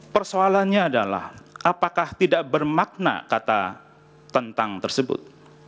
persoalannya adalah apakah tidak bermakna kata tentang tersebut